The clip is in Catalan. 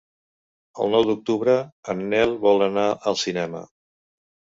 El nou d'octubre en Nel vol anar al cinema.